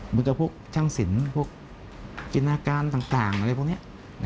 เหมือนกับพวกช่างสินพวกจินตนาการต่างอะไรพวกนี้